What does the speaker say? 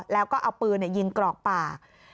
แล้วก็เอาปืนยิงกรอกปาก